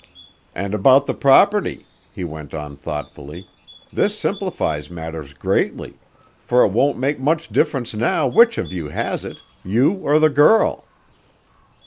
"And about the property," he went on thoughtfully, "this simplifies matters greatly, for it won't make much difference now which of you has it you or the girl."